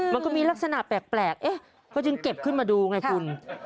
มันก็มีลักษณะแปลกเอ๊ะเขาจึงเก็บขึ้นมาดูไงคุณ